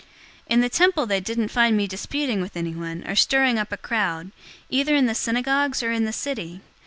024:012 In the temple they didn't find me disputing with anyone or stirring up a crowd, either in the synagogues, or in the city.